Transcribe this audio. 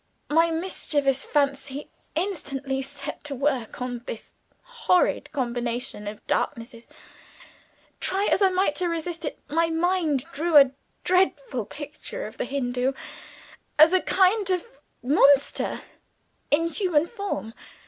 My mischievous fancy instantly set to work on this horrid combination of darknesses. Try as I might to resist it, my mind drew a dreadful picture of the Hindoo, as a kind of monster in human form.